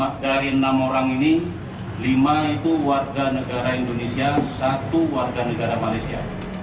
nah dari enam orang ini lima itu warga negara indonesia satu warga negara malaysia